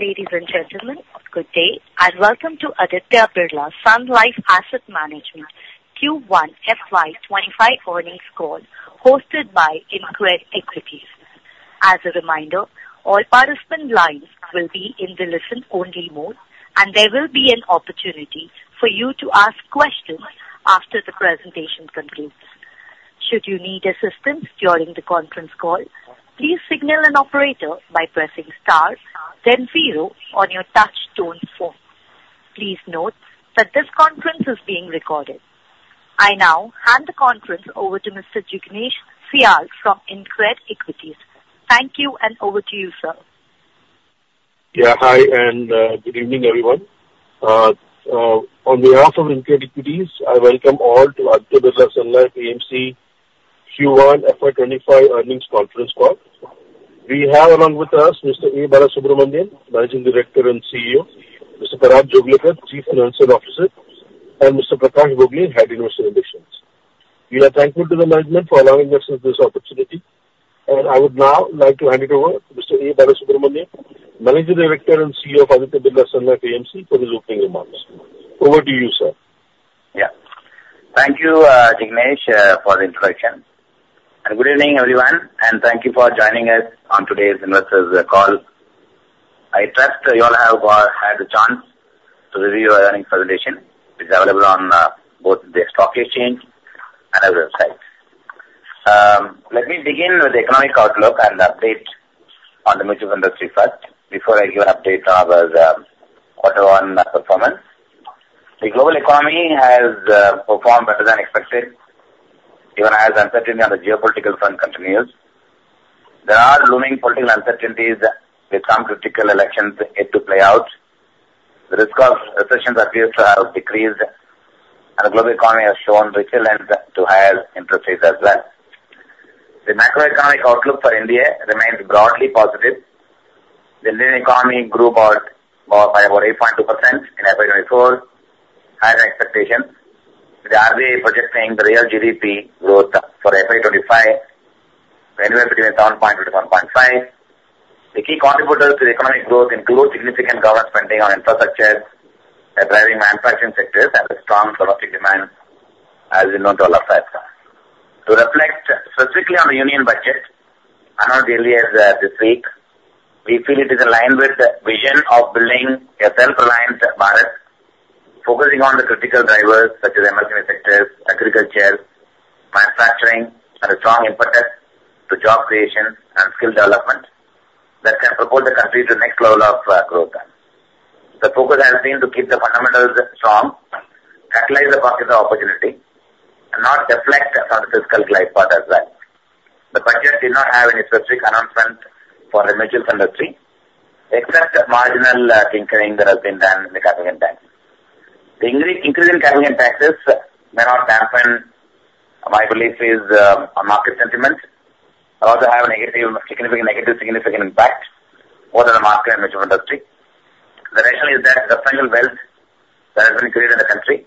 Ladies and gentlemen, good day, and welcome to Aditya Birla Sun Life Asset Management Q1 FY25 Earnings Call hosted by InCred Equities. As a reminder, all participant lines will be in the listen-only mode, and there will be an opportunity for you to ask questions after the presentation concludes. Should you need assistance during the conference call, please signal an operator by pressing star, then zero on your touch-tone phone. Please note that this conference is being recorded. I now hand the conference over to Mr. Jignesh Shial from InCred Equities. Thank you, and over to you, sir. Yeah, hi, and good evening, everyone. On behalf of InCred Equities, I welcome all to Aditya Birla Sun Life AMC Q1 FY25 Earnings Conference Call. We have along with us Mr. A. Balasubramanian, Managing Director and CEO, Mr. Parag Joglekar, Chief Financial Officer, and Mr. Prakash Bhogale, Head Investor Relations. We are thankful to the management for allowing us this opportunity, and I would now like to hand it over to Mr. A. Balasubramanian, Managing Director and CEO of Aditya Birla Sun Life AMC, for his opening remarks. Over to you, sir. Yeah. Thank you, Jignesh, for the introduction. Good evening, everyone, and thank you for joining us on today's investors' call. I trust you all have had a chance to review our earnings presentation, which is available on both the stock exchange and our website. Let me begin with the economic outlook and update on the mutual fund industry first, before I give an update on our quarter-one performance. The global economy has performed better than expected, even as uncertainty on the geopolitical front continues. There are looming political uncertainties with some critical elections yet to play out. The risk of recessions appears to have decreased, and the global economy has shown resilience to higher interest rates as well. The macroeconomic outlook for India remains broadly positive. The Indian economy grew by about 8.2% in FY2024, higher than expectations. The RBI is projecting the real GDP growth for FY25 to anywhere between 7.2%-7.5%. The key contributors to the economic growth include significant government spending on infrastructure and driving manufacturing sectors and a strong domestic demand, as we know to all of us. To reflect specifically on the Union Budget, announced earlier this week, we feel it is in line with the vision of building a self-reliant market, focusing on the critical drivers such as emerging sectors, agriculture, manufacturing, and a strong impact to job creation and skill development that can propel the country to the next level of growth. The focus has been to keep the fundamentals strong, capitalize the market opportunity, and not deflect from thefiscal glide path as well. The budget did not have any specific announcement for the mutual fund industry, except marginal tinkering that has been done in the capital gains tax. The increase in capital gains taxes may not happen, my belief, based on market sentiment, but also have a significant negative impact on the market and mutual fund industry. The reason is that the financial wealth that has been created in the country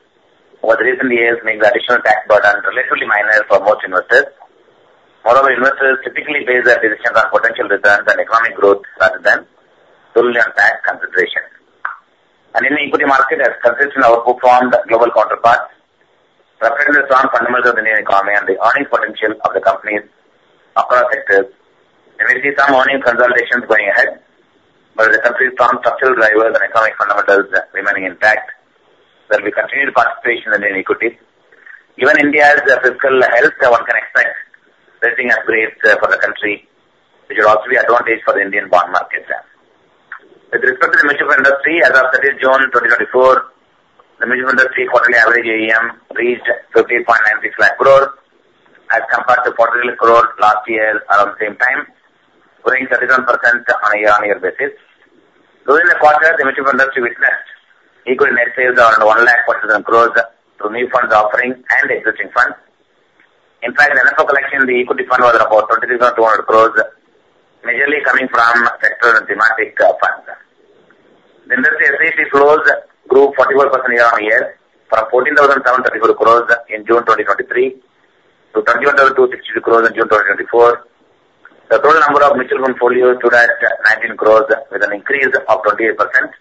over the recent years makes the additional tax burden relatively minor for most investors. Moreover, investors typically base their decisions on potential returns and economic growth rather than solely on tax considerations. In the equity market, as compared to underperformed global counterparts, reflecting the strong fundamentals of the Indian economy and the earning potential of the companies across sectors, we see some earnings consolidations going ahead. With the country's strong structural drivers and economic fundamentals remaining intact, there will be continued participation in Indian equities. Given India's fiscal health, one can expect raising upgrades for the country, which would also be an advantage for the Indian bond market. With respect to the mutual fund industry, as of 30 June 2024, the mutual fund industry quarterly average AUM reached 1,396,000 crore as compared to 48 crore last year around the same time, growing 37% on a year-on-year basis. During the quarter, the mutual fund industry witnessed equity net sales around 100,047 crore through new funds offering and existing funds. In fact, in NFO collection, the equity fund was about INR 23,200 crore, majorly coming from sector and thematic funds. The industry SIP flows grew 41% year-on-year from 14,734 crore in June 2023 to 21,262 crore in June 2024. The total number of mutual funds folios stood at 19 crore, with an increase of 28%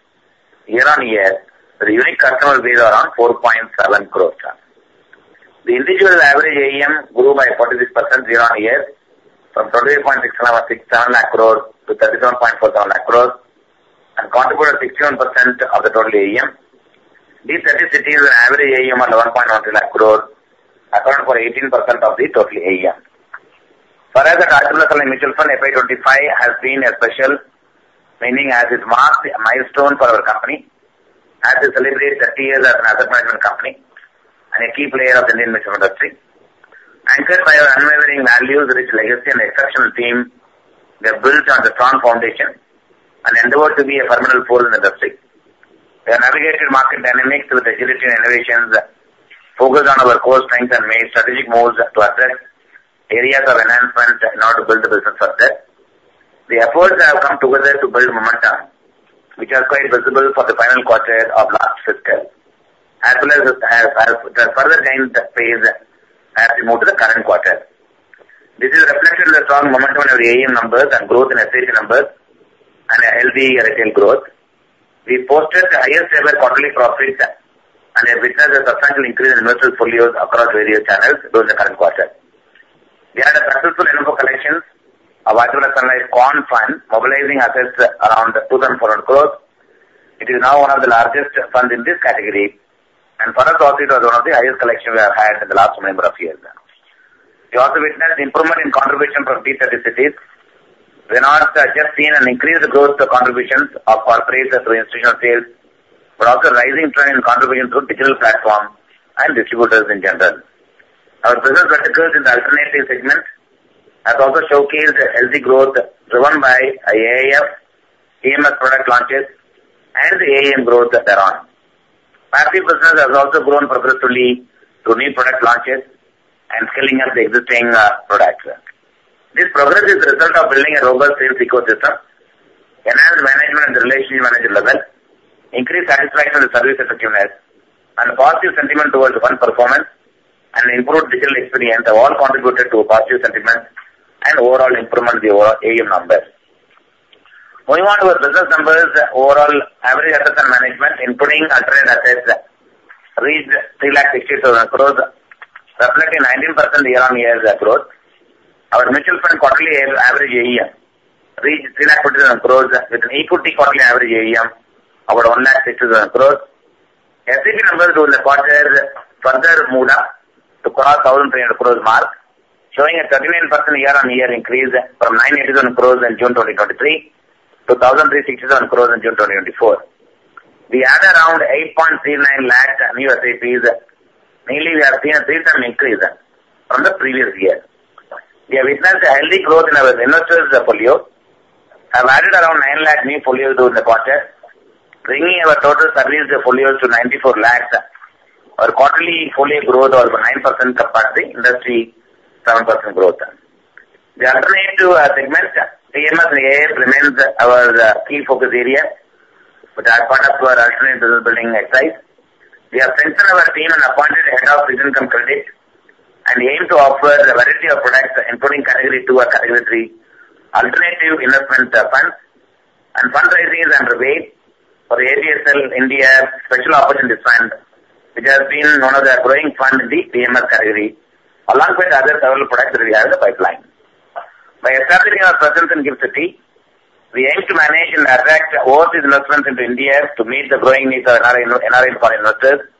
year-on-year, with a unique customer base of around 4.7 crore. The individual average AUM grew by 46% year-on-year. From 2,867,000 crore to 3,747,000 crore, and contributed 61% of the total AUM. These 30 cities with an average AUM of 1,113,000 crore account for 18% of the total AUM. For us, the Aditya Birla Sun Life Mutual Fund FY25 has been a special meaning as its milestone for our company, as it celebrates 30 years as an asset management company and a key player of the Indian mutual fund industry. Anchored by our unwavering values, rich legacy, and exceptional team, we have built on a strong foundation. And endeavored to be a formidable force in the industry. We have navigated market dynamics with agility and innovation, focused on our core strengths, and made strategic moves to address areas of enhancement in order to build the business for that. The efforts have come together to build momentum, which are quite visible for the final quarter of last fiscal, as well as have further gained pace as we move to the current quarter. This is reflected in the strong momentum in our AUM numbers and growth in SIP numbers, and healthy retail growth. We posted the highest-ever quarterly profits and have witnessed a substantial increase in investors' folios across various channels during the current quarter. We had a successful NFO collection of Aditya Birla Sun Life Quant Fund, mobilizing assets around 2.4 crore. It is now one of the largest funds in this category, and for us, also it was one of the highest collections we have had in the last number of years. We also witnessed improvement in contribution from T30 cities. We have not just seen an increased growth contributions of corporates through institutional sales, but also a rising trend in contribution through digital platforms and distributors in general. Our business verticals in the alternative segment. Have also showcased healthy growth driven by AIF, PMS product launches, and the AUM growth thereon. Passive business has also grown progressively through new product launches and scaling up the existing products. This progress is the result of building a robust sales ecosystem, enhanced management at the relationship manager level, increased satisfaction with service effectiveness, and a positive sentiment towards the fund performance, and improved digital experience have all contributed to positive sentiment and overall improvement of the overall AUM numbers. Moving on to our business numbers, overall average assets under management, including alternative assets, reached INR 362,000 crore, reflecting 19% year-on-year growth. Our mutual fund quarterly average AUM reached INR 347,000 crore, with an equity quarterly average AUM of about INR 167,000 crore. We have witnessed healthy growth in our investors' folios, have added around 9 lakh new folios during the quarter, bringing our total service folios to 94 lakhs. Our quarterly folio growth of 9% compared to the industry 7% growth. The alternative segment, PMS and AIF, remains our key focus area, which are part of our alternative business building exercise. We have strengthened our team and appointed a head of fixed income credit. And aim to offer a variety of products, including category two or category three alternative investment funds, and fundraising and rebate for the ABSL India Special Opportunities Fund, which has been one of the growing funds in the AMC category, along with other several products that we have in the pipeline. By establishing our presence in GIFT City, we aim to manage and attract overseas investments into India to meet the growing needs of NRE fund investors.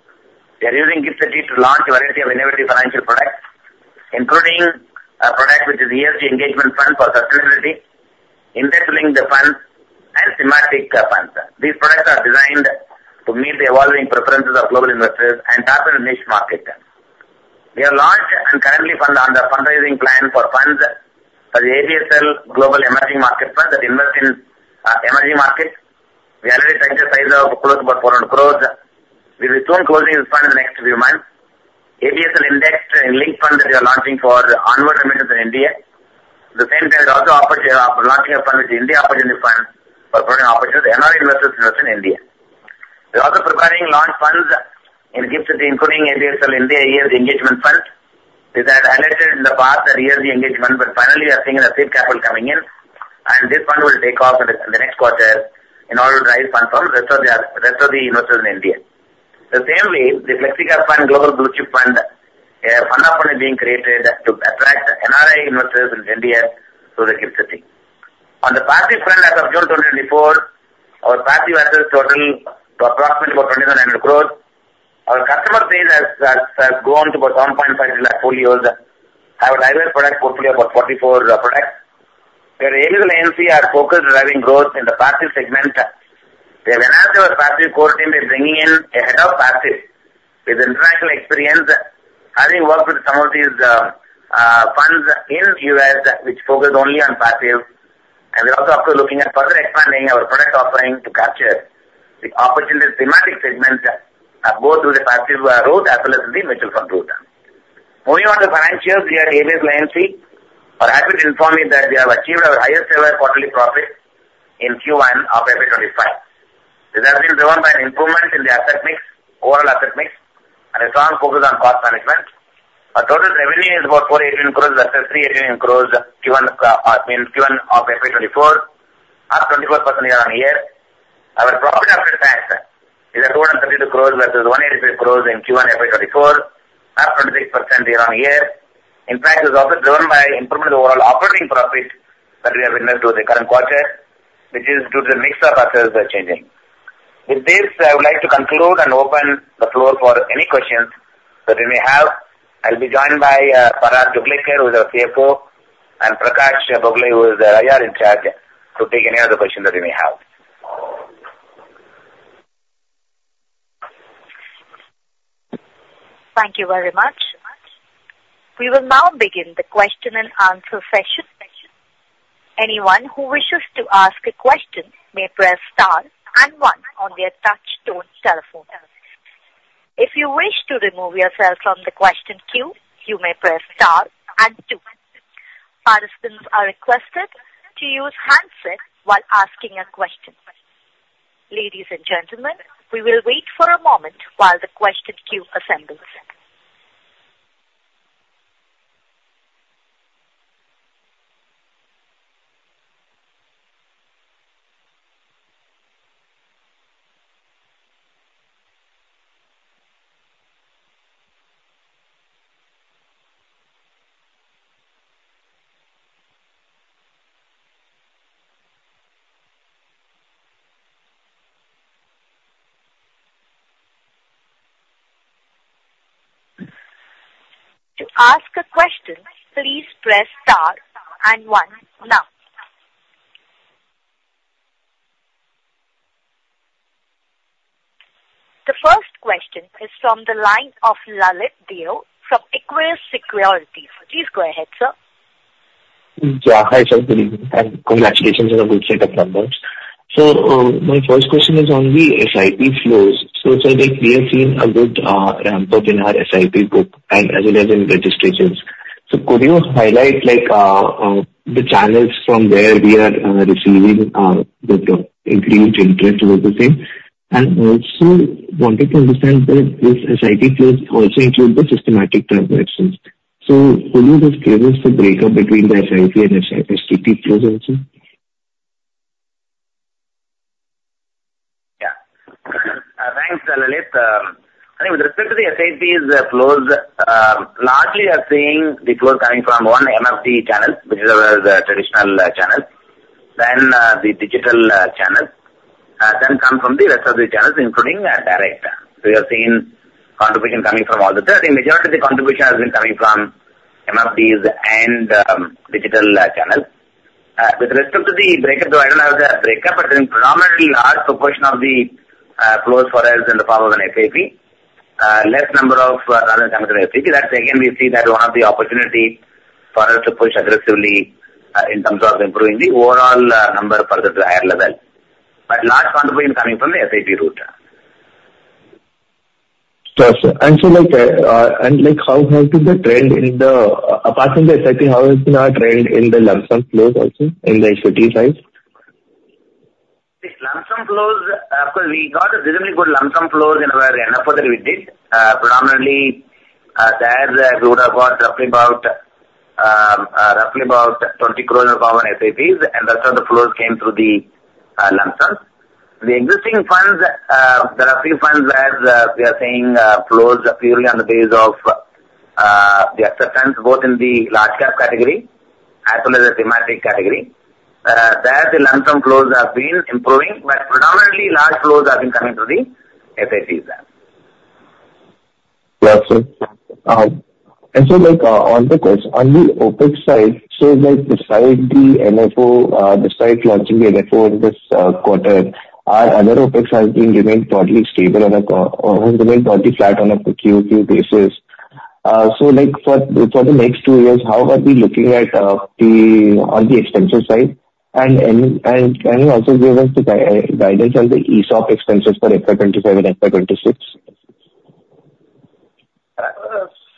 We are using GIFT City to launch a variety of innovative financial products, including a product which is ESG Engagement Fund for Sustainability, Index Linked Fund, and Thematic Fund these products are designed to meet the evolving preferences of global investors and target a niche market. We have launched and currently fund under a fundraising plan for funds for the ABSL Global Emerging Market Fund that invest in emerging markets. We already touched the size of close about 400 crore. We will be soon closing this fund in the next few months. ABSL Index Linked Fund that we are launching for inward investments in India. At the same time, we also are launching a fund which is India Opportunity Fund for foreign opportunities, NRE investors invest in India. We are also preparing launch funds in GIFT City, including ABSL India ESG Engagement Fund. We had highlighted in the past that ESG Engagement, but finally, we are seeing the seed capital coming in, and this fund will take off in the next quarter in order to raise funds from the rest of the investors in India. The same way, the Flexi Cap Fund Global Blue Chip Fund, a fund opportunity being created to attract NRE investors into India through the GIFT City. On the Passive fund as of June 2024, our Passive assets total to approximately about 2,900 crore. Our customer base has grown to about 1.5 million folios, have a diverse product portfolio of about 44 products. Their AMC and AMC are focused on driving growth in the Passive segment. They have enhanced our Passive core team by bringing in a head of Passive with international experience, having worked with some of these funds in the U.S., which focus only on Passive. And we are also looking at further expanding our product offering to capture, the opportunities in the thematic segment, both through the Passive route as well as the mutual fund route. Moving on to financials, we are at ABSL AMC. We are happy to inform you that we have achieved our highest-ever quarterly profit in Q1 of FY2025. This has been driven by an improvement in the asset mix, overall asset mix, and a strong focus on cost management. Our total revenue is about 418 crore versus 318 crore given of FY2024, up 24% year-on-year. Our profit after tax is at INR 232 crore versus INR 185 crore in Q1 FY2024, up 26% year-on-year. In fact, it was also driven by improvement in the overall operating profit that we have witnessed through the current quarter, which is due to the mix of assets changing. With this, I would like to conclude and open the floor for any questions that we may have. I'll be joined by Parag Joglekar, who is our CFO, and Prakash Bhogale, who is our IR in charge, to take any other questions that we may have. Thank you very much. We will now begin the question and answer session. Anyone who wishes to ask a question may press star and one on the touch-tone telephone. If you wish to remove yourself from the question queue, you may press star and two. Participants are requested to use handsets while asking a question. Ladies and gentlemen, we will wait for a moment while the question queue assembles. To ask a question, please press star and one now. The first question is from the line of Lalit Deo from Equirus Securities. Please go ahead, sir. Yeah, hi, Sharpreet. And congratulations on the good set of numbers. So, my first question is on the SIP flows, so, we have seen a good ramp-up in our SIP group and as well as in registrations. So, could you highlight the channels from where we are receiving the increased interest with the same? Also wanted to understand that this SIP flows also include the systematic transactions. So, could you just give us the breakup between the SIP and STP flows also? Yeah. Thanks, Lalit. With respect to the SIP flows, largely we are seeing the flows coming from one MFD channel, which is our traditional channel, then the digital channel, then come from the rest of the channels, including direct. We have seen contribution coming from all the three i think the majority of the contribution has been coming from MFDs and digital channels. With respect to the breakup, though, I don't have the breakup, but I think predominantly large proportion of the flows for us in the form of an SIP, less number of other coming from SIP that's again, we see that one of the opportunities, for us to push aggressively in terms of improving the overall number further to the higher level. But large contribution coming from the SIP route. Yes, sir. And so how has been the trend apart from the SIP, how has been our trend in the lump sum flows also in the SIP side? Lump sum flows, of course, we got a reasonably good lump sum flows in our NFO that we did. Predominantly, there's a route of about roughly about 20 crore in the form of SIPs, and the rest of the flows came through the lump sums. The existing funds, the roughly funds that we are seeing flows purely on the base of the acceptance, both in the large cap category, as well as the thematic category. There's the lump sum flows have been improving, but predominantly large flows have been coming through the SIPs. Yes, sir. And so on the question, on the OpEx side, so besides the NFO, besides launching the NFO in this quarter, are other OpEx has been remained totally stable or has remained totally flat on a QOQ basis? So for the next two years, how are we looking at the expenses side? And can you also give us the guidance on the ESOP expenses for FY25 and FY26?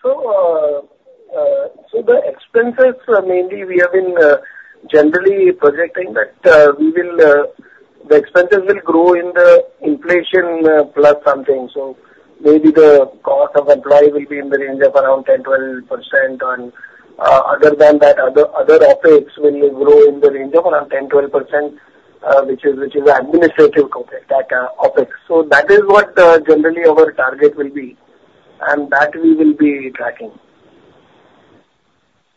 So, the expenses mainly we have been generally projecting that we will the expenses will grow in the inflation plus something. So, maybe the cost of employee will be in the range of around 10%-12%, and other than that, other OpEx will grow in the range of around 10%-12%, which is administrative OpEx so, that is what generally our target will be, and that we will be tracking.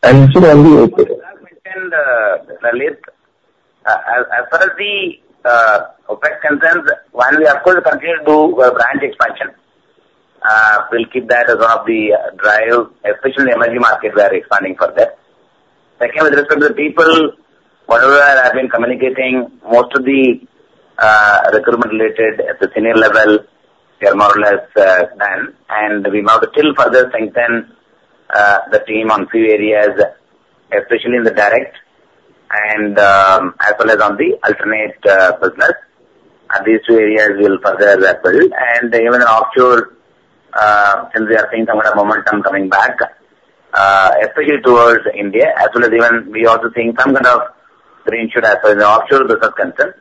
And so on the OpEx? As I mentioned, Lalit, as far as the OpEx concerns, one we, of course, continue to do brand expansion. We'll keep that as one of the drivers, especially in the emerging market where we're expanding further. Second, with respect to the people, whatever I've been communicating, most of the recruitment related at the senior level, they are more or less done and we now still further strengthen the team on a few areas. Especially in the direct, and as well as on the alternate business. These two areas will further be filled and even in offshore, since we are seeing some kind of momentum coming back, especially towards India, as well as even we are also seeing some kind of resurgence as well in the offshore business concern.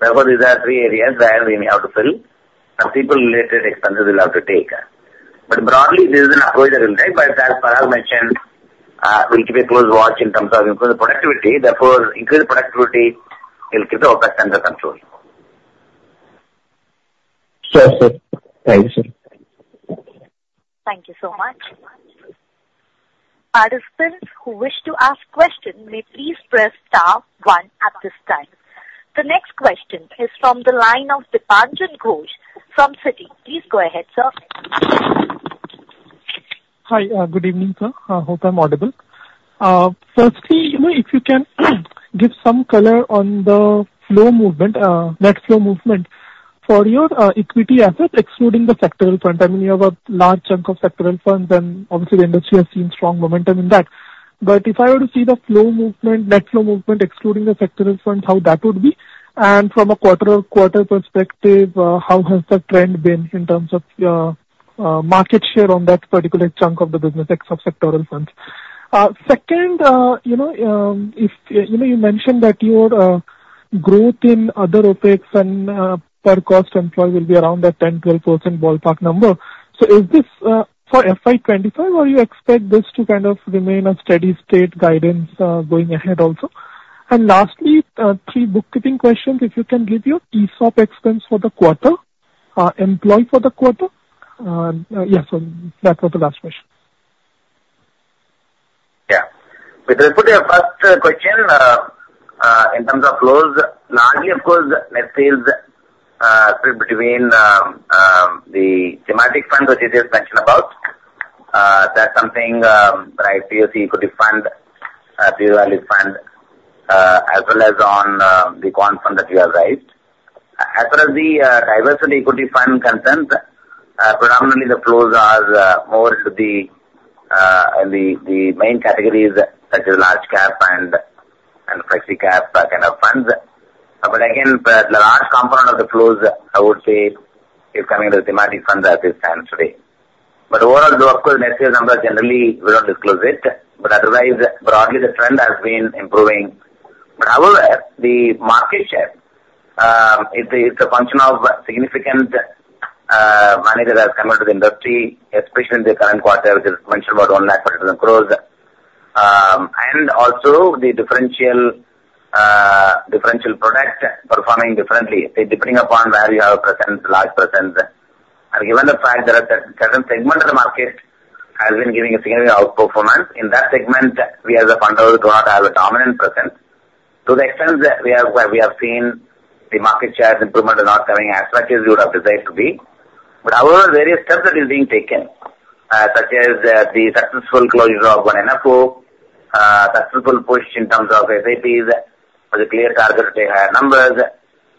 Therefore, these are three areas where we may have to fill. People-related expenses we'll have to take. Broadly, this is an approach that we'll take as Parag mentioned, we'll keep a close watch in terms of improving the productivity therefore, increased productivity, will keep the OPEX under control. Sure, sir. Thank you, sir. Thank you so much. Participants who wish to ask questions, may please press star one at this time. The next question is from the line of Dipanjan Ghosh from Citi. Please go ahead, sir. Hi, good evening, sir. I hope I'm audible. Firstly, if you can give some color on the flow movement, net flow movement for your equity assets, excluding the sectoral fund i mean, you have a large chunk of sectoral funds, and obviously, the industry has seen strong momentum in that. But if I were to see the flow movement, net flow movement, excluding the sectoral funds, how that would be? And from a quarter-on-quarter perspective, how has the trend been in terms of market share on that particular chunk of the business except sectoral funds? Second, you mentioned that your growth in other OpEx and per cost employee will be around that 10%-12% ballpark number. So, is this for FY 2025? or do you expect this to kind of remain a steady state guidance going ahead also? And lastly, three bookkeeping questions if you can give your ESOP expense for the quarter? employee for the quarter? Yeah, so that was the last question. Yeah. With respect to your first question, in terms of flows, largely, of course, net sales between the thematic fund, which is mentioned above, that's something that PSU Equity Fund, as well as on the Quant Fund that we have raised. As far as the diversified equity fund concerns, predominantly, the flows are more into the main categories such as large cap and flexi cap kind of funds. But again, the large component of the flows, I would say, is coming into the thematic funds as we stand today. But overall, though, of course, net sales number generally, we don't disclose it. But otherwise, broadly, the trend has been improving. But however, the market share, it's a function of significant money that has come into the industry, especially in the current quarter, which is mentioned about INR 100,000 crore. Also, the differential product performing differently, depending upon where you have a large presence. Given the fact that a certain segment of the market has been giving a significant outperformance, in that segment, we as a fund house do not have a dominant presence. To the extent that we have seen the market share improvement is not coming as much as we would have desired to be. But however, there is step that is being taken, such as the successful closure of one NFO, successful push in terms of SIPs with a clear target to take higher numbers.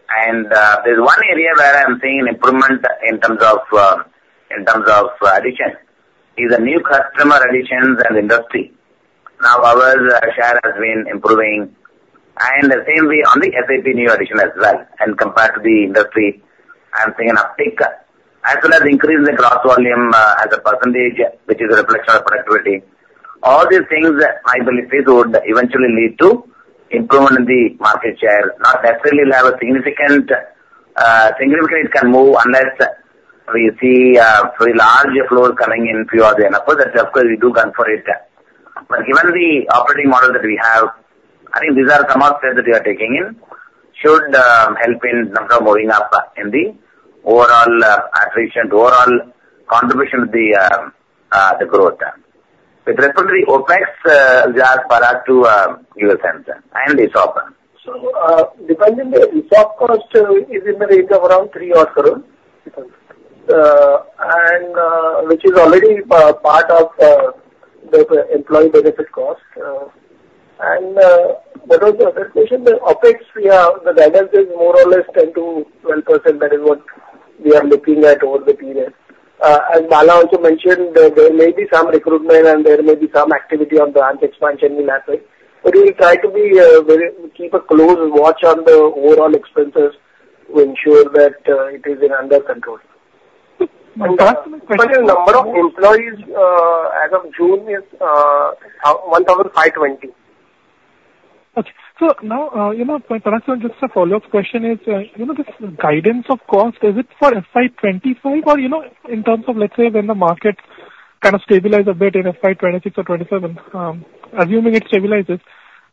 And there's one area where I'm seeing improvement in terms of addition, is the new customer additions in the industry. Now, our share has been improving. And the same way on the SIP new addition as well, compared to the industry, I'm seeing an uptick, as well as increase in the gross volume as a percentage, which is a reflection of productivity. All these things, my belief is, would eventually lead to improvement in the market share not necessarily will have a significant significantly it can move unless we see very large flows coming in a few other NFOs of course, we do gun for it. But, given the operating model that we have, I think these are some of the steps that we are taking in, should help in terms of moving up in the overall attrition, overall contribution to the growth. With respect to the OpEx, we ask Parag to give a sense and ESOP. So depending on the ESOP cost, it is in the range of around three or so, which is already part of the employee benefit cost. And what was the other question? The OPEX, the guidance is more or less 10%-12% that is what we are looking at over the period. As Bala also mentioned, there may be some recruitment, and there may be some activity on the grant expansion in that way. But we will try to keep a close watch on the overall expenses, to ensure that it is under control. My question is- Number of employees as of June is 1,520. Okay. So now, my question just a follow-up question is, this guidance of cost, is it for FY25 or in terms of, let's say, when the market kind of stabilizes a bit in FY26 or FY27, assuming it stabilizes,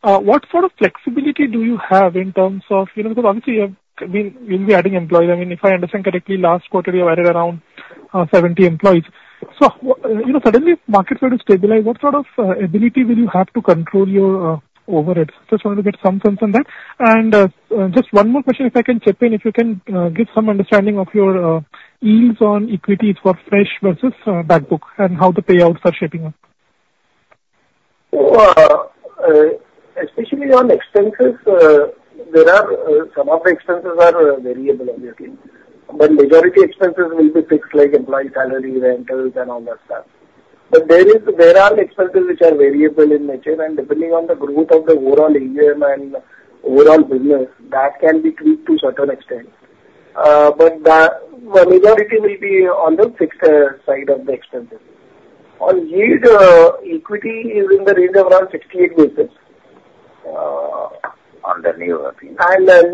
what sort of flexibility do you have in terms of because obviously? you'll be adding employees i mean, if I understand correctly, last quarter, you added around 70 employees. So, suddenly, if markets were to stabilize, what sort of ability will you have to control your overhead? Just wanted to get some sense on that. And, just one more question, if I can chip in, if you can give some understanding of your yields on equities for fresh versus backbook and how the payouts are shaping up. Especially on expenses, there are some of the expenses are variable, obviously. But majority expenses will be fixed, like employee salary, rentals, and all that stuff. But there are expenses which are variable in nature and depending on the growth of the overall AUM and overall business, that can be tweaked to a certain extent. But, majority will be on the fixed side of the expenses. On yield, equity is in the range of around 68 basis. On the new, I think.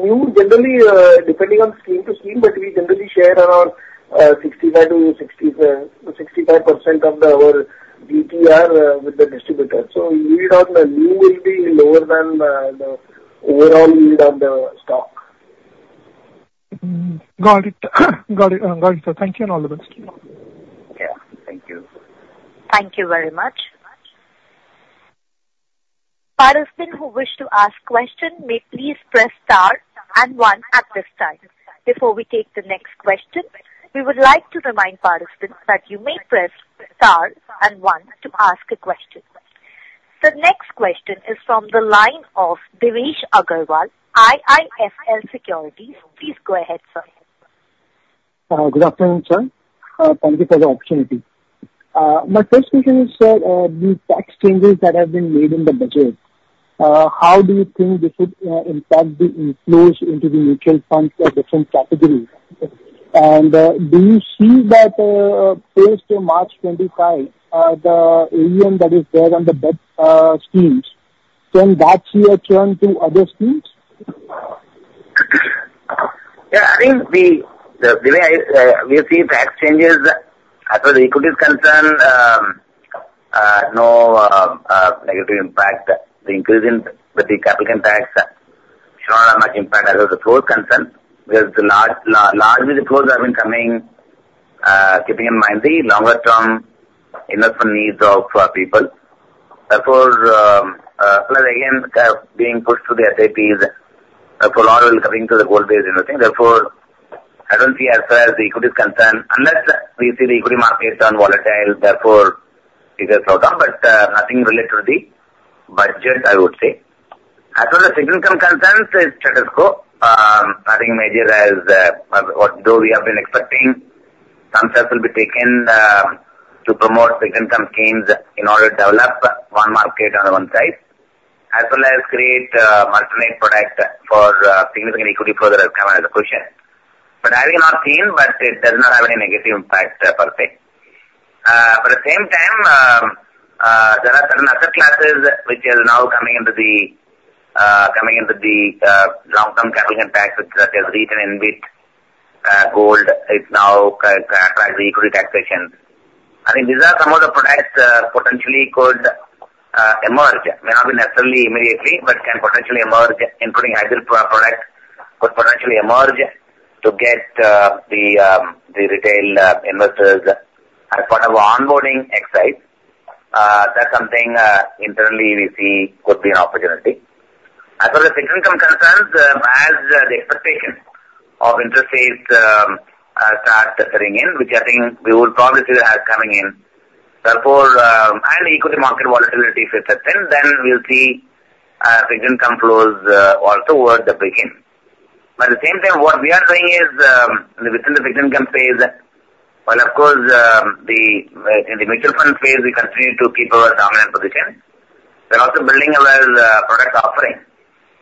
New, generally, depending on scheme to scheme, but we generally share around 65%-65% of our TER with the distributor. So, yield on the new will be lower than the overall yield on the stock. Got it. Got it. Got it. Thank you and all the best. Yeah. Thank you. Thank you very much. Participants who wish to ask questions, may please press star and one at this time. Before we take the next question, we would like to remind participants that you may press star and one to ask a question. The next question is from the line of Divesh Aggarwal, IIFL Securities. Please go ahead, sir. Good afternoon, sir. Thank you for the opportunity. My first question is, sir, these tax changes that have been made in the budget, how do you think? this would impact the inflows into the mutual funds for different categories. Do you see? that post-March 25, the AUM that is there on the debt schemes, can that see a turn to other schemes? Yeah. I think the way we see tax changes, as far as equity is concerned, no negative impact. The increase in the capital gains tax should not have much impact, as far as the flows concerned, because the large flows have been coming, keeping in mind the longer-term investment needs of people. Therefore, again, being pushed to the SIPs, for all, we're coming to the gold-based investing therefore, I don't see, as far as the equity is concerned, unless we see the equity markets turn volatile, therefore, it has slowed down but nothing related to the budget, I would say. As far as the fixed income concerns, it's status quo nothing major as what we have been expecting. Some steps will be taken to promote fixed income schemes in order to develop one market on one side, as well as create alternate product for significant equity further as coming as a question. But I have not seen, but it does not have any negative impact per se. At the same time, there are certain asset classes which are now coming into the long-term capital gains, such as REITs and InvITs it now attracts the equity taxation. I think these are some of the products that potentially could emerge may not be necessarily immediately, but can potentially emerge, including hybrid products could potentially emerge to get the retail investors as part of onboarding exercise. That's something internally we see could be an opportunity. As far as fixed income concerns, as the expectation of interest rates start setting in, which I think we will probably see that coming in, therefore, and equity market volatility if it's set in, then we'll see fixed income flows also towards the beginning. But at the same time, what we are doing is, within the fixed income phase, well, of course, in the mutual funds phase, we continue to keep our dominant position. We're also building our product offering,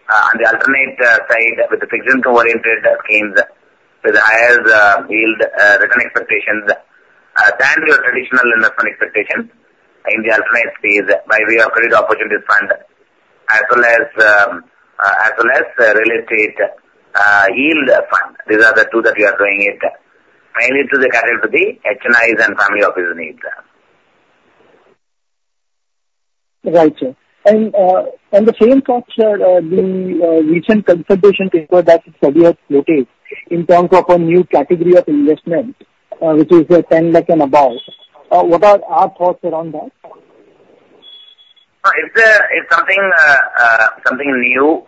on the alternative side with the fixed income-oriented schemes with higher yield return expectations than your traditional investment expectations, in the alternative phase by way of credit opportunities fund, as well as real estate yield fund, these are the two that we are doing it, mainly to the category of the HNIs and family office needs. Right. On the same thought, sir, the recent consideration paper that study has noted in terms of a new category of investment, which is 10 lakh and above, what are our thoughts around that? It's something new.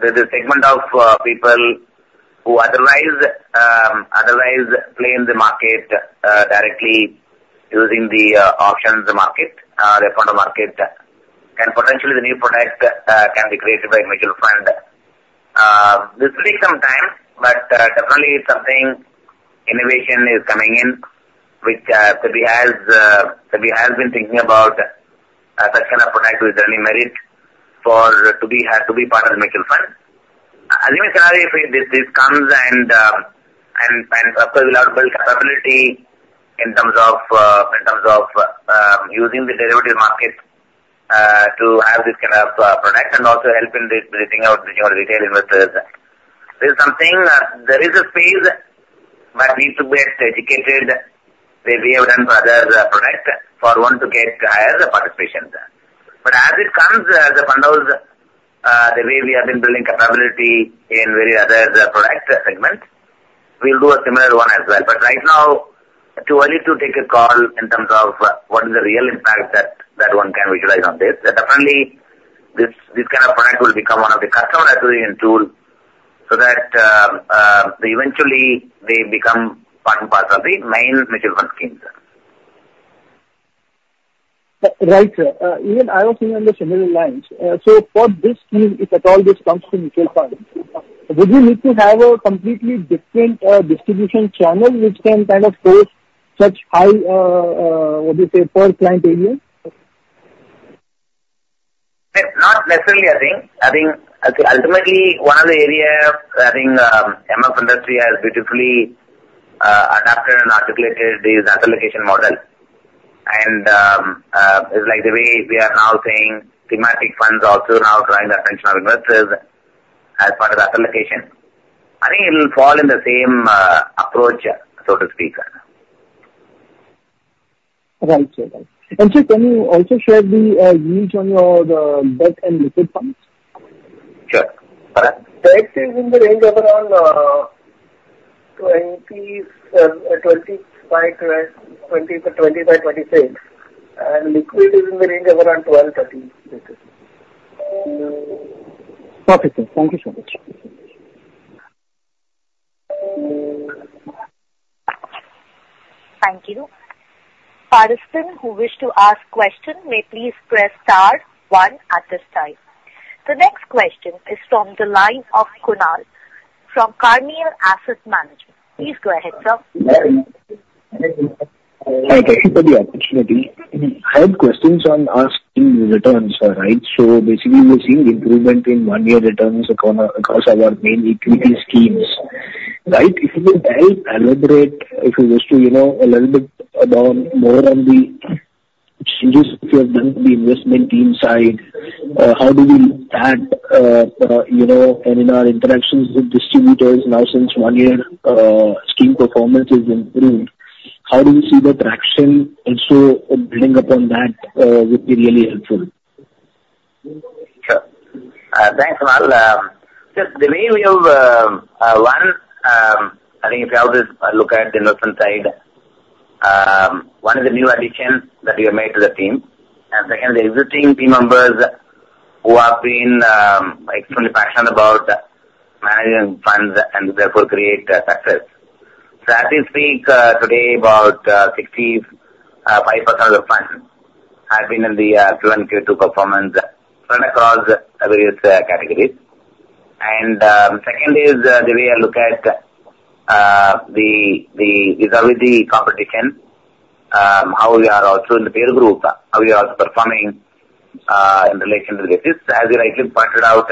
There's a segment of people who otherwise play in the market directly using the options market, the fund market, and potentially the new product can be created by a mutual fund. This will take some time, but definitely, it's something innovation is coming in, which SAP has been thinking about such kind of product with any merit to be part of the mutual fund. Assuming scenario, this comes and, of course, will outbuild capability in terms of using the derivative market to have this kind of product and also help in the retail investors. There is something, there is a phase, that needs to get educated the way we have done for other products for one to get higher participation. But as it comes, as the fund knows, the way we have been building capability in various other product segments, we'll do a similar one as well but right now, too early to take a call in terms of what is the real impact that one can visualize on this definitely, this kind of product will become one of the customer-attributing tools so that eventually, they become part and parcel of the main mutual fund schemes. Right. Even I also understand similar lines. So, for this scheme, if at all this comes to mutual funds, would you need to have a completely different distribution channel which can kind of host such high, what do you say, per client area? Not necessarily, I think. I think ultimately, one of the areas, I think MF industry has beautifully adapted and articulated this asset allocation model. It's like the way we are now seeing thematic funds also now drawing attention of investors as part of asset allocation. I think it'll fall in the same approach, so to speak. Right. And sir, can you also share the yields on your debt and liquid funds? Sure. Debt is in the range of around 25.20-25.26. And liquid is in the range of around 12.30 basis. Perfect. Thank you so much. Thank you. Participants who wish to ask questions, may please press star one at this time. The next question is from the line of Kunal from Carnelian Asset Management. Please go ahead, sir. Hi, thank you for the opportunity. I had questions on asking returns, right? So basically, we're seeing improvement in one-year returns across our main equity schemes. Right? If you could elaborate, if you wish to a little bit more on the changes you have done to the investment team side, how do we look at? and in our interactions with distributors now since one-year scheme performance has improved, how do you see the traction? And so building upon that would be really helpful. Sure. Thanks, Kunal. The way we have one, I think if you look at the investment side, one is the new addition that we have made to the team. And second, the existing team members who have been extremely passionate about managing funds and therefore create success. So as we speak today, about 65% of the funds have been in the Q1, Q2 performance across various categories. And, second is the way I look at the visibility competition, how we are also in the peer group, how we are also performing in relation to the basis as you rightly pointed out,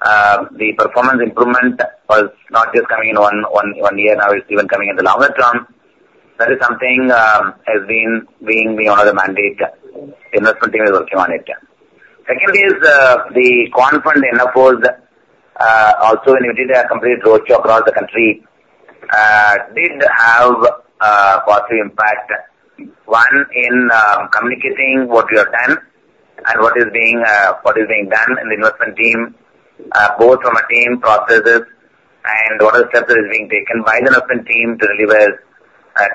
the performance improvement was not just coming in one year now it's even coming in the longer term. That is something that has been being one of the mandates the investment team is working on it. Second is the Quant Fund NFOs also, when we did a complete roadshow across the country, did have a positive impact, one in communicating what we have done, and what is being done in the investment team, both from a team processes and what are the steps that are being taken by the investment team to deliver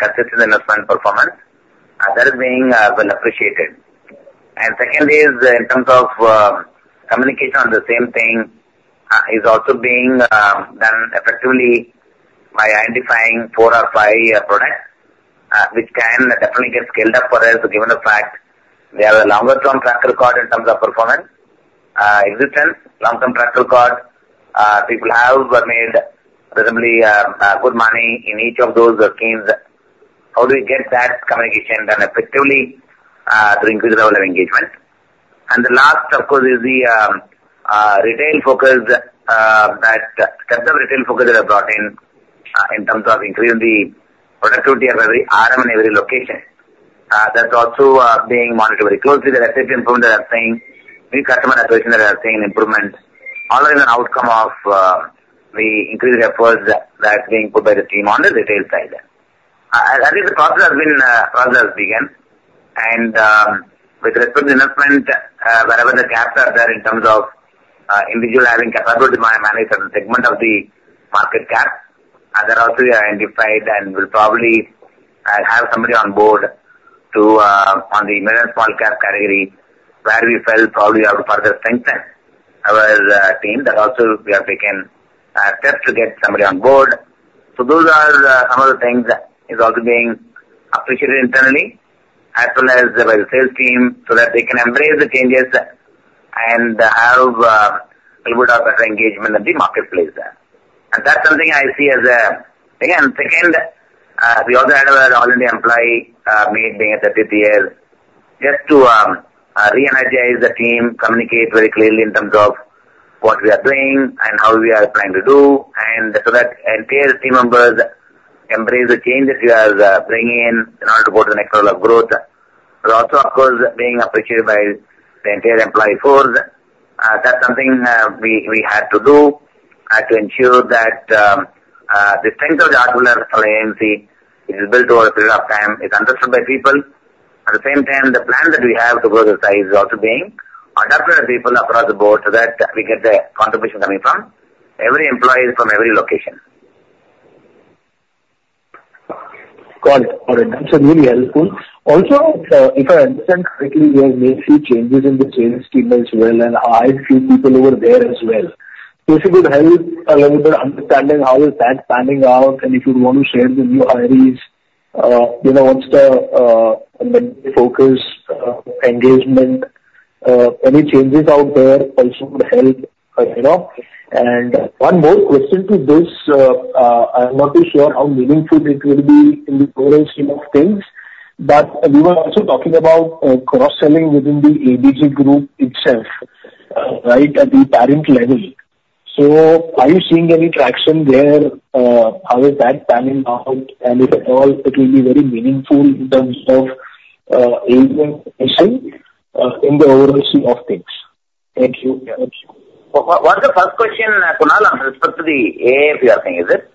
consistent investment performance. That is being well appreciated. Second is, in terms of communication on the same thing, is also being done effectively by identifying four or five products which can definitely get scaled up for us, given the fact they have a longer-term track record in terms of performance existence, long-term track record. People have made reasonably good money in each of those schemes. How do we get that communication done effectively to increase the level of engagement? And the last, of course, is the retail focus that steps of retail focus that have brought in in terms of increasing the productivity of RM in every location. That's also being monitored very closely the SIP improvement that I'm seeing, new customer acquisition that I'm seeing improvement, all in an outcome of the increased efforts that are being put by the team on the retail side. I think the process has begun. With respect to investment, wherever the gaps are there in terms of individually having capability to manage a certain segment of the market cap, that also we have identified and will probably have somebody on board on the middle and small cap category where we felt probably we have to further strengthen our team that also we have taken steps to get somebody on board. Those are some of the things that are also being appreciated internally, as well as by the sales team, so that they can embrace the changes and have a little bit of better engagement in the marketplace. That's something I see as a again, second, we also had our all-hands employee meeting being at the 50th year, just to re-energize the team, communicate very clearly in terms of what we are doing and how we are planning to do, and so that entire team members embrace the change that we are bringing in in order to go to the next level of growth. But also, of course, being appreciated by the entire employee force. That's something we had to do, had to ensure that the strength of the Aditya Birla alliance is built over a period of time is understood by people. At the same time, the plan that we have to go to the size is also being, on top of the people across the board so that we get the contribution coming from every employee from every location. Got it. That's really helpful. Also, if I understand correctly, you have made a few changes in the sales team as well, and hired a few people over there as well. If you could help a little bit understanding how is that panning out, and if you'd want to share the new hires, what's the focus, engagement, any changes out there also would help. And one more question to this. I'm not too sure how meaningful it will be in the overall scheme of things. But, we were also talking about cross-selling within the ABG Group itself, right, at the parent level. So, are you seeing any traction there? How is that panning out? And if at all, it will be very meaningful in terms of in the overall scheme of things. Thank you. What's the first question, Kunal, with respect to the AIF you are saying, is it?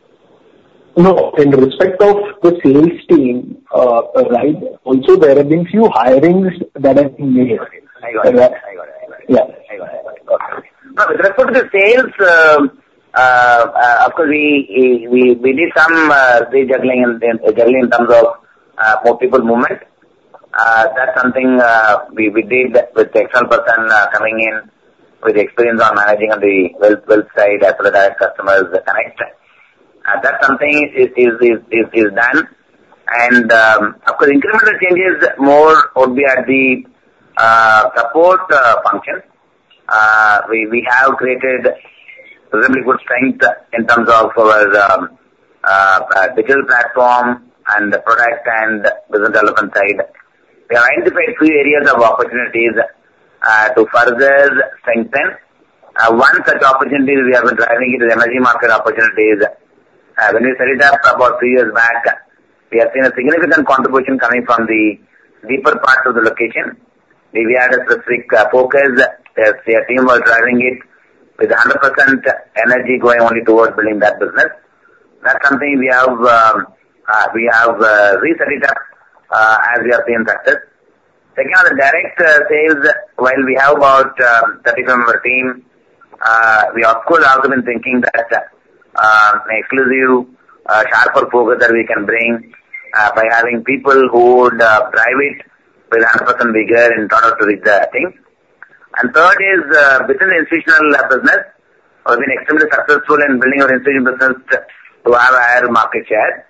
No, in respect of the sales team, right, also there have been a few hirings that have been made. I got it. I got it. Yeah. I got it. Got it. Now, with respect to the sales, of course, we did some rejuggling in terms of more people movement. That's something we did with the external person coming in with the experience on managing on the wealth side as well as direct customers connect. That's something is done. And of course, incremental changes more would be at the support function. We have created really good strength in terms of our digital platform and the product and business development side, we have identified a few areas of opportunities to further strengthen. One such opportunity we have been driving is energy market opportunities. When we set it up about three years back, we have seen a significant contribution coming from the deeper parts of the location. We had a specific focus, the team was driving it, with 100% energy going only towards building that business. That's something we have reset it up as we have seen success. Taking on the direct sales, while we have about 35-member team, we of course have been thinking that an exclusive sharper focus that we can bring by having people who would drive it with 100% vigor in order to reach the team. Third is within the institutional business, we've been extremely successful in building our institutional business to have a higher market share.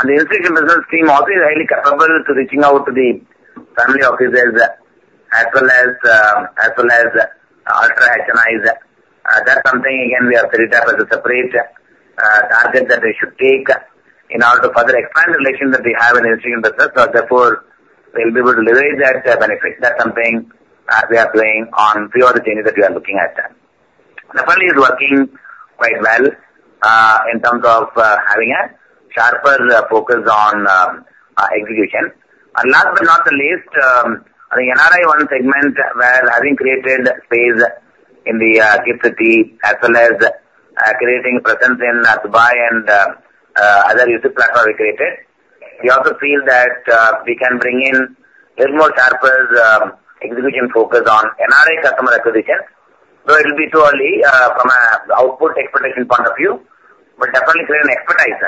On the institutional business team, also we are highly capable to reaching out to the family offices as well as ultra HNIs. That's something, again, we have set it up as a separate target that we should take in order to further expand the relation that we have in the institutional business therefore, we'll be able to leverage that benefit that's something we are playing on three other changes that we are looking at. Definitely, it's working quite well, in terms of having a sharper focus on execution, and last but not the least, the NRI segment, while having created space in the GIFT City, as well as creating presence in Dubai and other UAE platforms we created, we also feel that we can bring in a little more sharper execution focus on NRI customer acquisition. Though it'll be too early from an output expectation point of view, but definitely create an expertise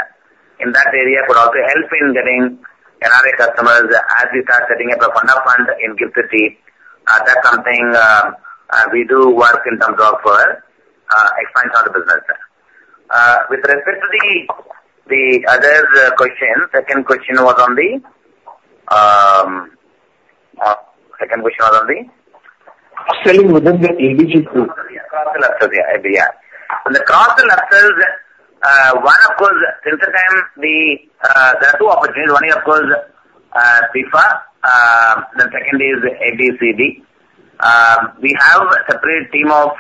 in that area could also help in getting NRI customers as we start setting up a fund of funds in GIFT City. That's something we do work in terms of expanding our business. With respect to the other question, second question was on the second question was on the selling Within the ABG group. Cross-sell after the ABG. Yeah. On the cross-sell after, one, of course, since the time there are two opportunities one is, of course, PIFA. The second is ABCD. We have a separate team of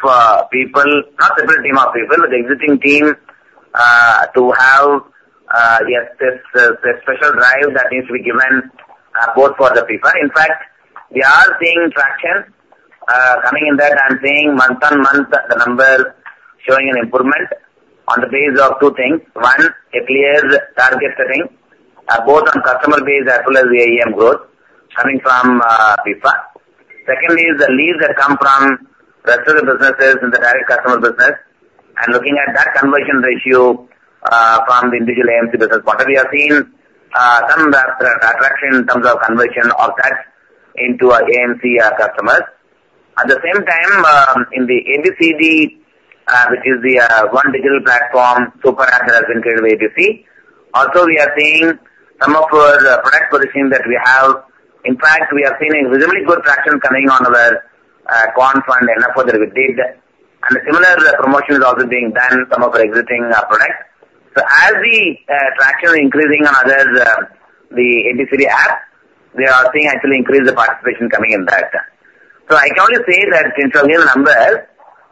people, not a separate team of people, but the existing team to have the special drive that needs to be given both for the PIFA in fact, we are seeing traction. Coming in that i'm seeing month-on-month, the number showing an improvement, on the base of two things, One, clear target setting, both on customer base as well as the AUM growth coming from PIFA. Second is the leads that come from rest of the businesses in the direct customer business. And looking at that conversion ratio from the individual AMC business point of view, we have seen some attraction in terms of conversion of that into AMC customers. At the same time, in the ABCD, which is the one digital platform, SuperApp that has been created by ABC, also we are seeing some of our product positioning that we have. In fact, we have seen a reasonably good traction coming on our Quant Fund NFO that we did. And a similar promotion is also being done on some of our existing products. So, as the traction is increasing on the ABCD app, we are seeing actually increased participation coming in that. So, I can only say that in terms of the numbers,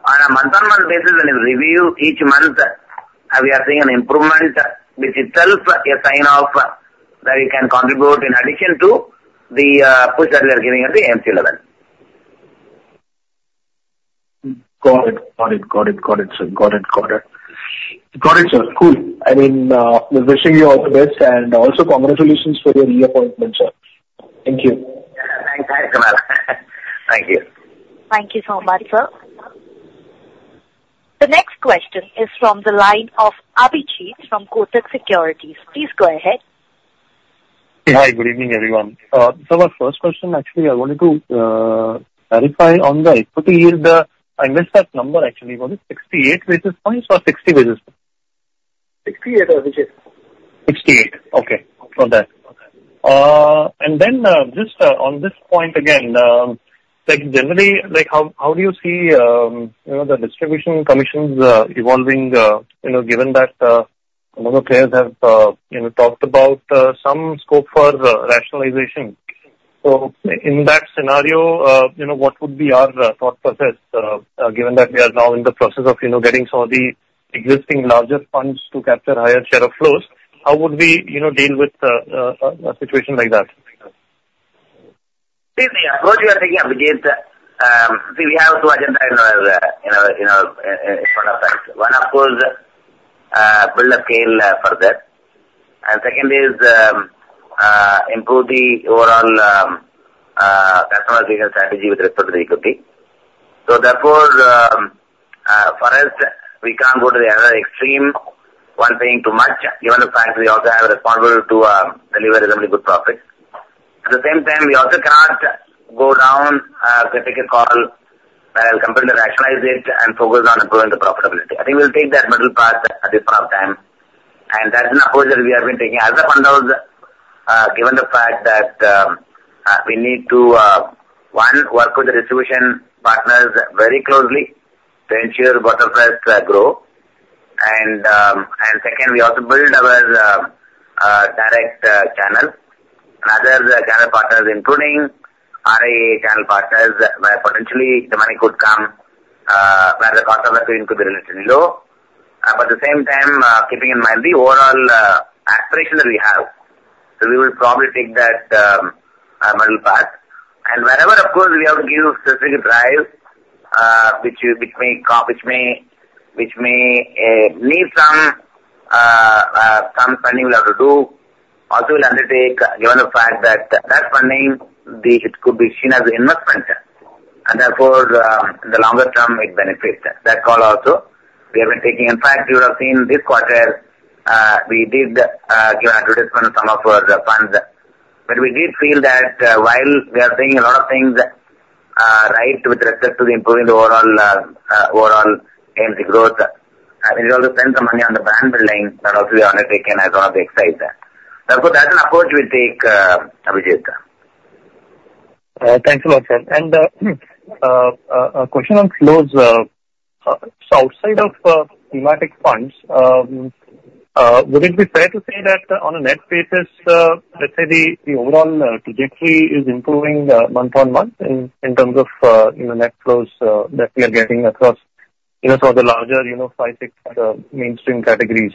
on a month-on-month basis, when we review each month, we are seeing an improvement, which itself is a sign of that we can contribute in addition to the push that we are giving at the AMC level. Got it. Got it. Got it. Got it. Got it. Got it, sir. Cool. I mean, wishing you all the best. And also, congratulations for your reappointment, sir. Thank you. Thanks, Kunal. Thank you. Thank you so much, sir. The next question is from the line of Abhijeet from Kotak Securities. Please go ahead. Hi, good evening, everyone so, my first question, actually, I wanted to clarify on the equity yield. I missed that number, actually was it 68 basis points or 60 basis points? 68 basis points. 68. Okay. Got that. And then, just on this point, again, generally, how do you see? the distribution commissions evolving, given that a lot of players have talked about some scope for rationalization? So, in that scenario, what would be our thought process, given that we are now in the process of getting some of the existing larger funds to capture higher share of flows? How would we deal with a situation like that? What you are thinking of is we have to identify in front of us. One, of course, build a scale for that. And second is improve the overall customer acquisition strategy with respect to the equity. So therefore, for us, we can't go to the other extreme, one paying too much, given the fact we also have a responsibility to deliver reasonably good profits. At the same time, we also cannot go down, take a call, compare the rationalization, and focus on improving the profitability i think we'll take that middle path at this point of time. And that's an approach that we have been taking as a fund house, given the fact that we need to, one, work with the distribution partners very closely to ensure business grows. And, second, we also build our direct channel, and other channel partners, including RIA channel partners, where potentially the money could come where the cost of acquisition could be relatively low. But, at the same time, keeping in mind the overall aspiration that we have, so we will probably take that middle path. And wherever, of course, we have to give specific drives which may need some funding we have to do. Also, we'll undertake, given the fact that that funding, it could be seen as an investment. And therefore, in the longer term, it benefits that call also, we have been taking. In fact, you would have seen this quarter, we did give an advertisement to some of our funds. But we did feel that while we are saying a lot of things right with respect to improving the overall AMC growth, we need to spend some money on the brand building that also we are undertaking as one of the exercises. Therefore, that's an approach we take, Abhijeet. Thanks a lot, sir. And a question on flows. So outside of thematic funds, would it be fair to say that on a net basis, let's say the overall trajectory is improving month-on-month in terms of net flows that we are getting across some of the larger five, six mainstream categories?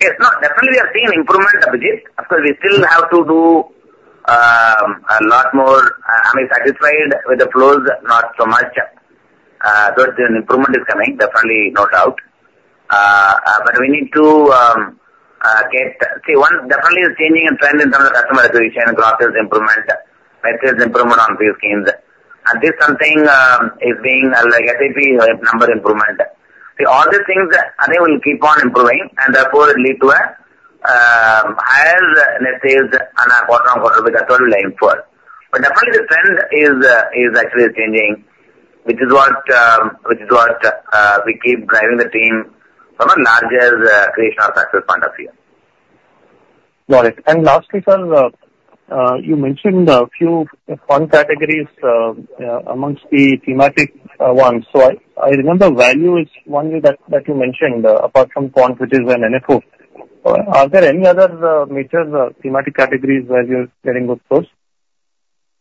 Yes. Definitely, we are seeing improvement, Abhijeet. Of course, we still have to do a lot more im satisfied with the flows, not so much. But improvement is coming, definitely, no doubt. But we need to get see, one definitely is changing a trend in terms of customer acquisition, grosses improvement, metrics improvement on these schemes. At least something is being like SIP number improvement. All these things, they will keep on improving. And therefore, it leads to a higher net sales on a quarter-on-quarter basis that will improve. But definitely, the trend is actually changing, which is what we keep driving the team from a larger creation of success point of view. Got it. And lastly, sir, you mentioned a few fund categories amongst the thematic ones. So, I remember value is one that you mentioned, apart from Quant, which is an NFO. Are there any other major thematic categories where you're getting good flows?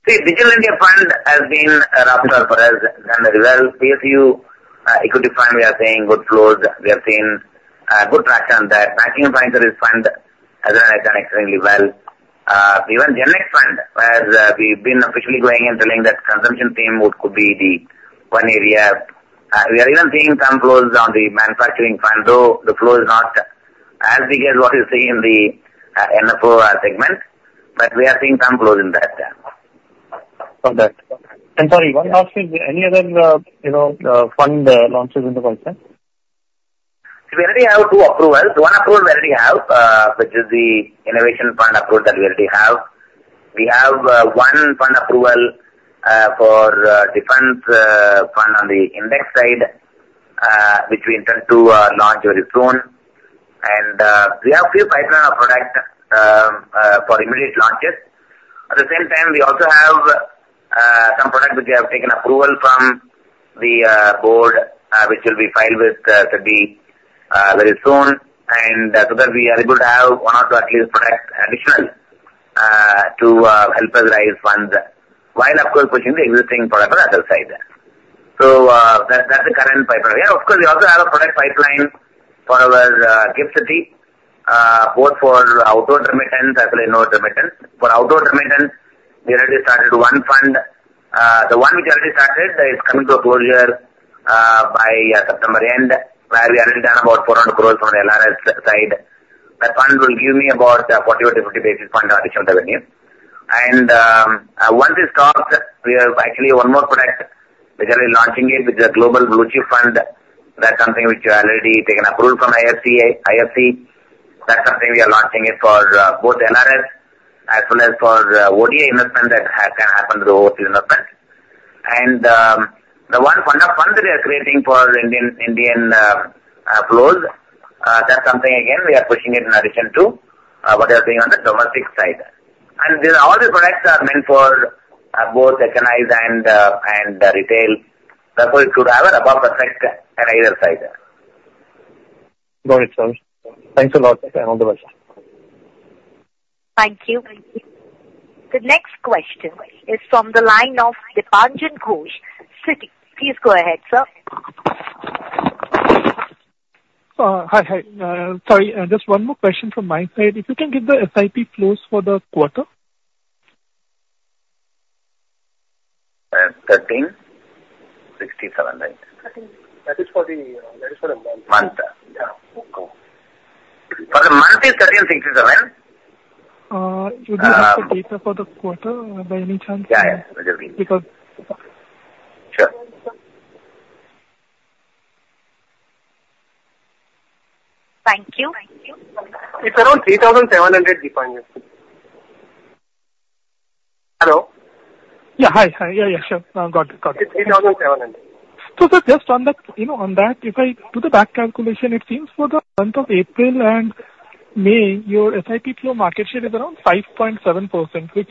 See, Digital India Fund has been a driver for us as well. PSU Equity Fund, we are seeing good flows we have seen good traction on that Banking and Financial Services Fund has been extremely well. Even GenNext Fund, where we've been officially going and telling that consumption theme could be the one area. We are even seeing some flows on the manufacturing fund, though the flow is not as big as what we see in the NFO segment? But we are seeing some flows in that. Got it. And sorry, one last thing. Any other fund launches in the country? We already have two approvals, One approval we already have, which is the innovation fund approval that we already have. We have one fund approval for defense fund on the index side, which we intend to launch very soon. And, we have a few pipeline of products for immediate launches. At the same time, we also have some products which we have taken approval from the board, which will be filed with SEBI very soon. And together, we are able to have one or two at least products additional to help us raise funds, while, of course, pushing the existing product on the other side. So, that's the current pipeline of course, we also have a product pipeline, for our GIFT City. Both for outward remittance as well as inward remittance. For outward remittance, we already started one fund. The one which already started is coming to a closure by September end, where we are in about 400 crore from the LRS side. That fund will give me about 40-50 basis points on additional revenue. And, once it stops, we have actually one more product. We're generally launching it with the Global Blue Chip Fund. That's something which we have already taken approval from IFC. That's something we are launching it for both LRS as well as for ODI investment that can happen to the whole investment. And the one fund of funds that we are creating for Indian flows, that's something, again, we are pushing it in addition to what we are seeing on the domestic side. All the products are meant for both HNIs and retail. Therefore, it could have an above-perfect NIS side. Got it, sir. Thanks a lot. Another question. Thank you. The next question is from the line of Dipanjan Ghosh, Citi. Please go ahead, sir. Hi, hi. Sorry, just one more question from my side. If you can give the SIP flows for the quarter? INR 1,367. That is for the month. Month. For the month, it's INR 1,367. Would you like the data for the quarter by any chance? Yeah, yeah. Sure. Thank you. It's around INR 3,700, Dipanjan. Hello? Yeah, hi. Yeah, yeah, sure. Got it. It's INR 3,700. So sir, just on that, if I do the back calculation, it seems for the month of April and May, your SIP flow market share is around 5.7%, which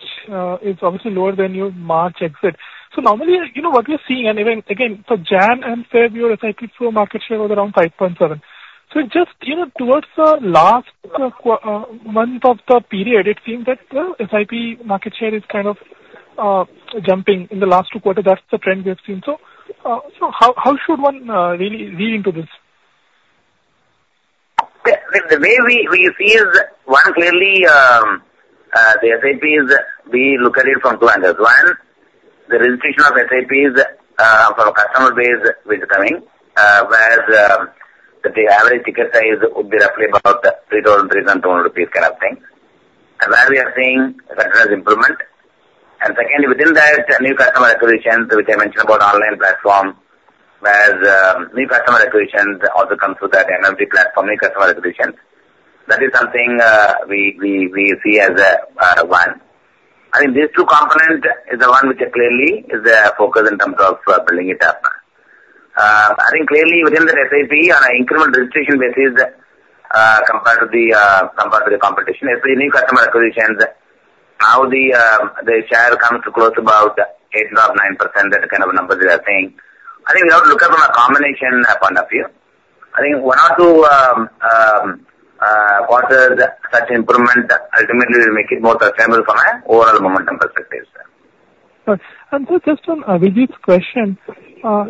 is obviously lower than your March exit. Normally, what we're seeing, and again, for January and February, your SIP flow market share was around 5.7. Just towards the last month of the period, it seems that the SIP market share is kind of jumping in the last two quarters that's the trend we've seen. How should one really read into this? The way we see is, one, clearly, the SIPs, we look at it from two angles. One, the registration of SIPs for customer base which is coming, where the average ticket size would be roughly about 3,000, 3,200 rupees kind of thing. And where we are seeing continuous improvement. And secondly, within that, new customer acquisitions, which I mentioned about online platform, where new customer acquisitions also come through that MFD platform, new customer acquisitions. That is something we see as one. I mean, these two components is the one which clearly is the focus in terms of building it up. I think clearly, within the SIP, on an incremental registration basis, compared to the competition, especially new customer acquisitions, now the share comes to close about 8%-9%, that kind of number we are seeing. I think we have to look at from a combination point of view. I think one or two quarters, such improvement ultimately will make it more sustainable from an overall momentum perspective. And sir, just on Abhijeet's question,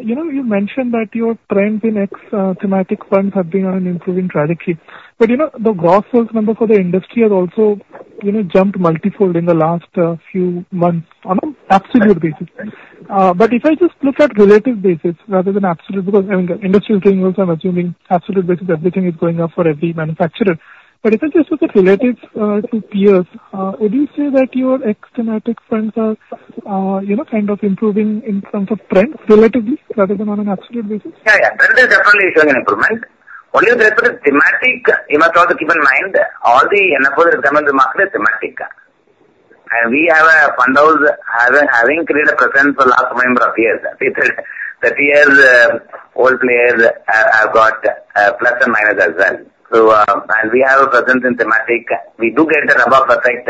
you mentioned that your trend in thematic funds has been on an improving trajectory. But the gross sales number for the industry has also jumped multi-fold in the last few months on an absolute basis. But if I just look at relative basis rather than absolute, because I mean, the industry is doing well, so I'm assuming absolute basis, everything is going up for every manufacturer. But if I just look at relative to peers, would you say that your ex-thematic funds are kind of improving in terms of trend relatively rather than on an absolute basis? Yeah, yeah. Relative definitely shows an improvement. Only that with the thematic, you must also keep in mind, all the NFOs that come into the market are thematic. And we have fund houses having created a presence for the last number of years, 30 years, old players have got plus and minus as well. And we have a presence in thematic. We do get a rub-off effect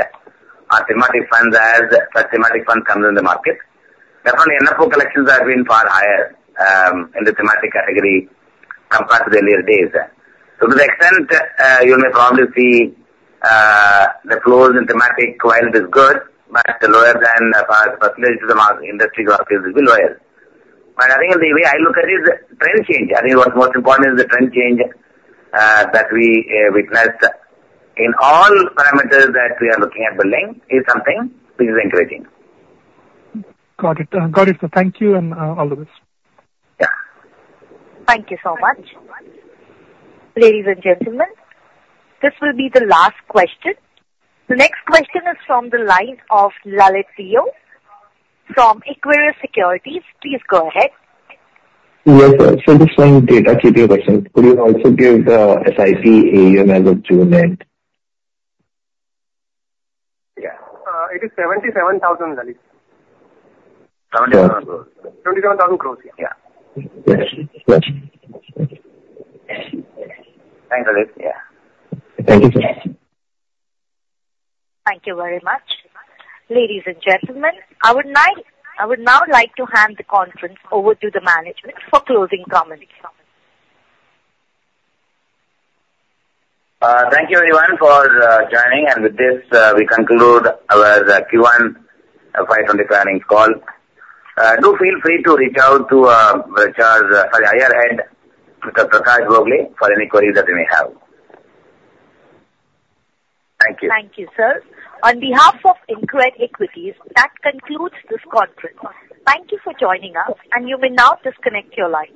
on thematic funds as thematic funds come into the market. Definitely, NFO collections have been far higher in the thematic category compared to the earlier days. So to the extent, you may probably see the flows in thematic while is good, but lower than the percentage of industry growth is lower. But I think the way I look at it is trend change i think what's most important is the trend change that we witnessed in all parameters that we are looking at building is something which is encouraging. Got it. Got it. Thank you and all the best. Yeah. Thank you so much. Ladies and gentlemen, this will be the last question. The next question is from the line of Lalit Deo from Equirus Securities. Please go ahead. Yes, sir. So just one data keeping question. Could you also give the SIP AUM as of June end? Yeah. It is 77,000, Lalit. 77,000 gross. 77,000 gross, yeah. Yeah. Thanks, Lalit. Yeah. Thank you, sir. Thank you very much. Ladies and gentlemen, I would now like to hand the conference over to the management for closing comments. Thank you, everyone, for joining. And with this, we conclude our Q1 FY25 planning call. Do feel free to reach out to HR, sorry, IR head, Mr. Prakash Bhogale, for any queries that you may have. Thank you. Thank you, sir. On behalf of InCred Equities, that concludes this conference. Thank you for joining us, and you may now disconnect your line.